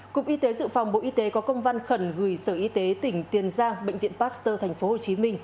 cục y tế dự phòng bộ y tế có công văn khẩn gửi sở y tế tỉnh tiền giang bệnh viện pasteur tp hcm